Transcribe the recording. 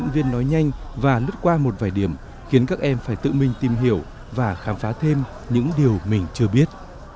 viên nói nhanh và lứt qua một vài điểm khiến các em phải tự mình tìm hiểu và khám phá thêm những điều mình chưa biết